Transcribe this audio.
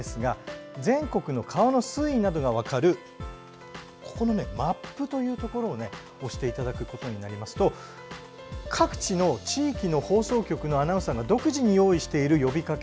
全国の川の水位などが分かるマップというところを押していただくと各地の地域の放送局のアナウンサーが独自に用意している呼びかけ